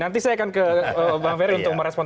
nanti saya akan ke bang ferry untuk merespon